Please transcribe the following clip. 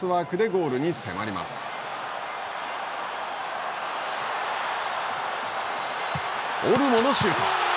オルモのシュート。